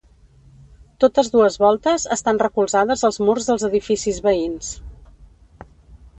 Totes dues voltes estan recolzades als murs dels edificis veïns.